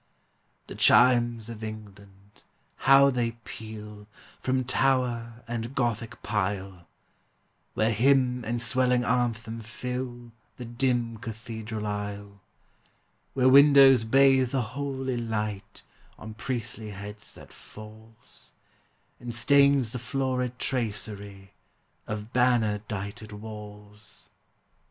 The chimes of England, how they peal From tower and Gothic pile, Where hymn and swelling anthem fill The dim cathedral aisle; Where windows bathe the holy light On priestly heads that falls, And stains the florid tracery Of banner dighted walls!